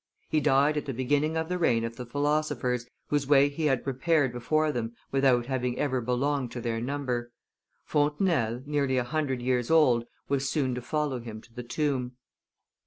He died at the beginning of the reign of the philosophers, whose way he had prepared before them without having ever belonged to their number. Diderot alone followed his bier. Fontenelle, nearly a hundred years old, was soon to follow him to the tomb.